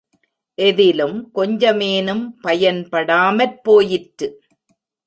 எதிலும் கொஞ்சமேனும் பயன்படாமற் போயிற்று.